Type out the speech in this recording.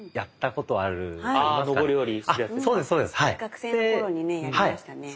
学生の頃にねやりましたね。